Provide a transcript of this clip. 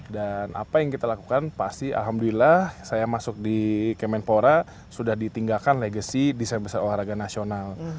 dan apa yang kita lakukan pasti alhamdulillah saya masuk di kemenpora sudah ditinggalkan legacy desain besar olahraga nasional